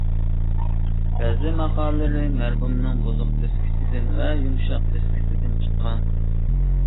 بەزى ماقالىلىرى مەرھۇمنىڭ بۇزۇق دىسكىسىدىن ۋە يۇمشاق دىسكىسىدىن چىققان.